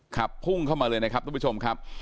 ขับพุ่งเข้ามาเลยนะครับทุกผู้ชมครับ